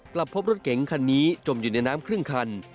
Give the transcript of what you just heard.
กลับพบรถเก๋งคันนี้จมอยู่ในน้ำครึ่งคัน